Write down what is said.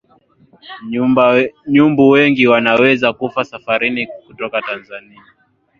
nyumbu wengi wanaweza kufa safarini kutoka tanzania